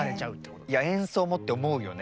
いや「演奏も？」って思うよね。